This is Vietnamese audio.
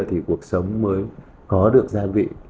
thì cuộc sống mới có được gia vị